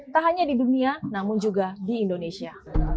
tak hanya di dunia namun juga di indonesia